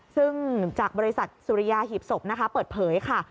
ซึ่งจากบริษัทสุริยาหีบศพนะคะเปิดเผยค่ะ